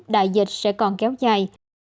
đại dịch sẽ còn kéo dài